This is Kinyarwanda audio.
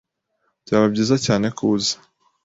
Byaba byiza cyane ko uza.